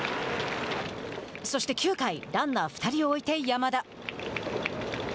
そして９回ランナー２人を置いて山田。